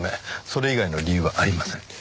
それ以外の理由はありません。